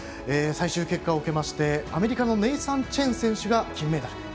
最終結果を受けましてアメリカのネイサン・チェン選手が金メダル。